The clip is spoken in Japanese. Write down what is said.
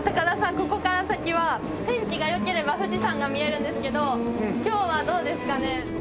ここから先は天気が良ければ富士山が見えるんですけど今日はどうですかね。